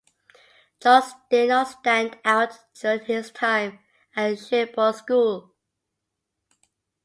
Charles did not stand out during his time at Sherborne School.